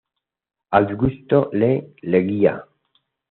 Augusto B. Leguía.